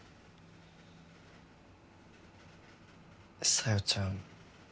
小夜ちゃん